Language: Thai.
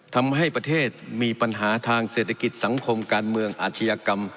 ทำให้ประเทศมีปัญหาทางเศรษฐกิจสังคมการเมืองอาชญากรรม